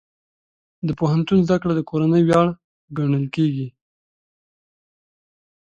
د پوهنتون زده کړه د کورنۍ ویاړ ګڼل کېږي.